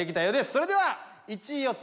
それでは１位予想